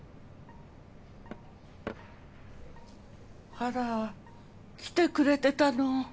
あら来てくれてたの。